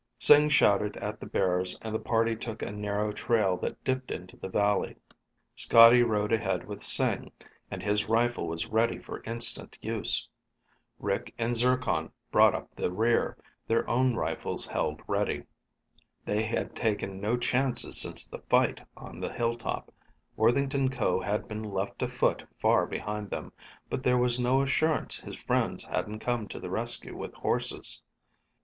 Sing shouted at the bearers and the party took a narrow trail that dipped into the valley. Scotty rode ahead with Sing, and his rifle was ready for instant use. Rick and Zircon brought up the rear, their own rifles held ready. They had taken no chances since the fight on the hilltop. Worthington Ko had been left afoot far behind them, but there was no assurance his friends hadn't come to the rescue with horses.